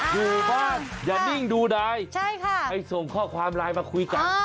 อยู่บ้านอย่านิ่งดูได้ให้ส่งข้อความไลน์มาคุยกัน